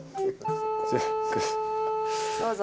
どうぞ。